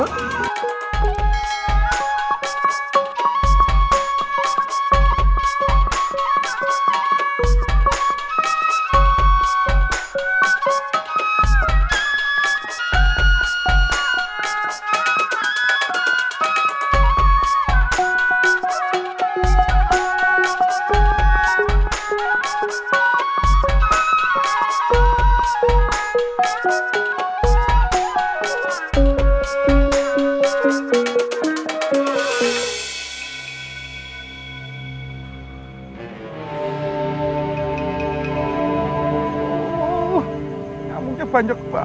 ya tuhan menjahatkan mereka